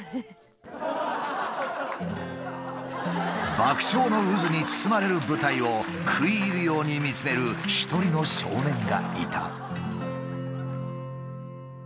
爆笑の渦に包まれる舞台を食い入るように見つめる一人の少年がいた。